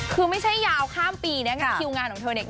คือไม่ใช่ยาวข้ามปีนะงานคิวงานของเธอเนี่ย